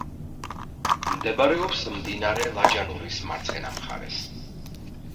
მდებარეობს მდინარე ლაჯანურის მარცხენა მხარეს.